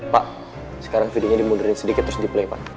pak sekarang videonya dimudarin sedikit terus diplay pak